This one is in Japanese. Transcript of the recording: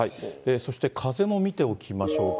そして風も見ておきましょうか。